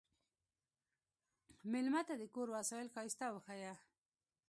مېلمه ته د کور وسایل ښايسته وښیه.